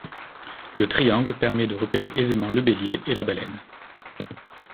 Le triangle permet de repérer aisément le Bélier et la Baleine.